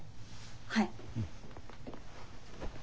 はい。